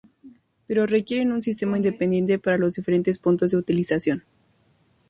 Pero requieren un sistema independiente para los diferentes puntos de utilización.